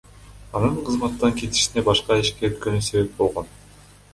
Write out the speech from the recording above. Анын кызматтан кетишине башка ишке өткөнү себеп болгон.